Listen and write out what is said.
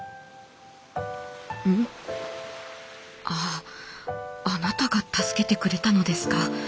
「んあああなたが助けてくれたのですか？